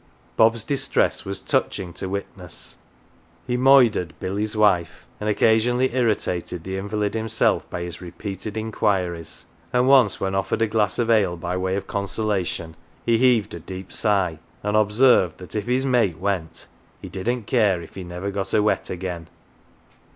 Bob's distress was touching to witness. He " moidered " Billy's wife, and occasionally irritated the invalid himself by his repeated inquiries ; and once when offered a glass of ale by way of consola tion he heaved a deep sigh, and observed that if his 261 MATES mate went, he didn't care if he never got "a wet"" again.